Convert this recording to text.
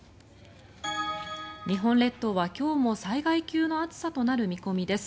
日本列島は今日も災害級の暑さとなる見込みです。